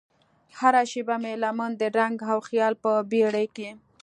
هره شیبه مې لمن د رنګ او خیال په بیړۍ کې